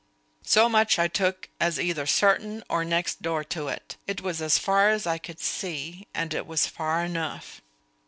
So much I took as either certain or next door to it. It was as far as I could see. And it was far enough.